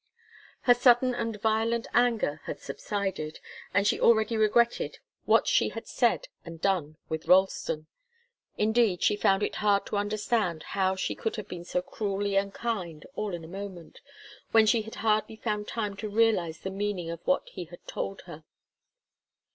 Her sudden and violent anger had subsided, and she already regretted what she had said and done with Ralston. Indeed, she found it hard to understand how she could have been so cruelly unkind, all in a moment, when she had hardly found time to realize the meaning of what he had told her.